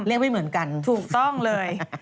ไม่เหมือนกันถูกต้องเลย